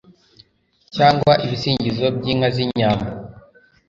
cyangwa ibisingizo by'inka z'inyambo